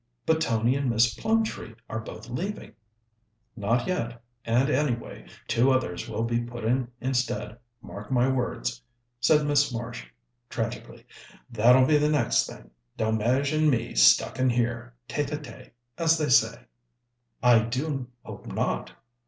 "But Tony and Miss Plumtree are both leaving." "Not yet, and, anyway, two others will be put in instead. Mark my words," said Miss Marsh tragically, "that'll be the next thing. Delmege and me stuck in here tête à tête, as they say." "I do hope not."